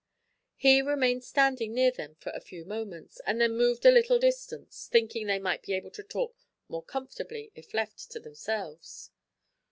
He remained standing near them for a few moments, and then moved a little distance, thinking they might be able to talk more comfortably if left to themselves.